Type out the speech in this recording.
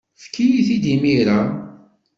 Efk-iyi-t-id imir-a.